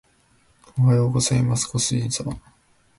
おはようございますご主人様